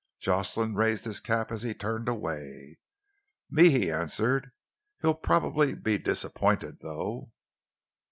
Jocelyn raised his cap as he turned away. "Me," he answered. "He'll probably be disappointed, though."